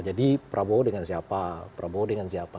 jadi prabowo dengan siapa prabowo dengan siapa